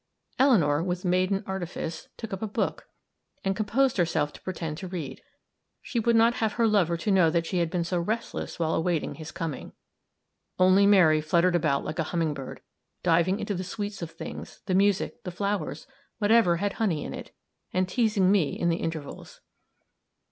Eleanor, with maiden artifice, took up a book, and composed herself to pretend to read; she would not have her lover to know that she had been so restless while awaiting his coming. Only Mary fluttered about like a humming bird, diving into the sweets of things, the music, the flowers, whatever had honey in it; and teasing me in the intervals.